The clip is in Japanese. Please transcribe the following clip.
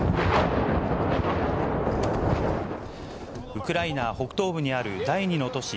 ウクライナ北東部にある第２の都市